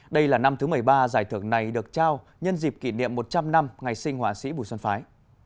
đây là năm thứ một mươi ba giải thưởng này được trao nhân dịp kỷ niệm một trăm linh năm ngày sinh họa sĩ bùi xuân phái